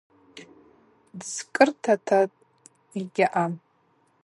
Дзкӏыртата йгьаъам.